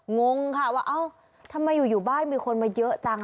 งงค่ะว่าเอ้าทำไมอยู่อยู่บ้านมีคนมาเยอะจัง